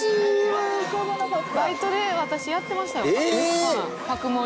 バイトで私やってましたよパク盛り。